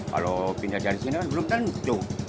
kalau pindah dari sini kan belum tentu